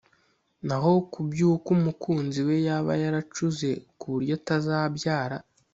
naho ku by’uko umukunzi we yaba yaracuze kuburyo atazabyara